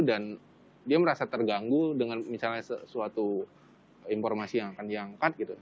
dan dia merasa terganggu dengan misalnya suatu informasi yang akan diangkat gitu